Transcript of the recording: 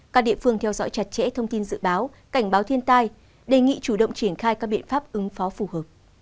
các địa phương theo dõi chặt chẽ thông tin dự báo cảnh báo thiên tai đề nghị chủ động triển khai các biện pháp ứng phó phù hợp